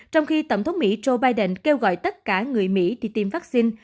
trong khi tổng thống mỹ joe biden kêu gọi tất cả người mỹ đi tiêm vaccine